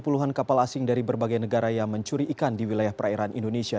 puluhan kapal asing dari berbagai negara yang mencuri ikan di wilayah perairan indonesia